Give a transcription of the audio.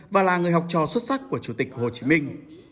và là người học trò xuất sắc của chủ tịch hồ chí minh